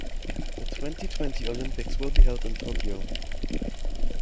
The twenty-twenty Olympics will be held in Tokyo.